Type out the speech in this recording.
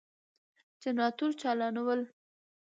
جنراتور چالانول ،